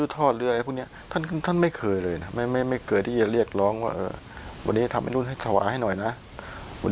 ท่านพวกนี้ครึ่งหลัง